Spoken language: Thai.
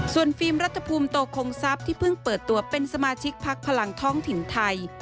ส่วนฟิล์มรัฐภูมิโตคงทรัพย์ที่เพิ่งเปิดตัวเป็นสมาชิกพักพลังท้องถิ่นไทย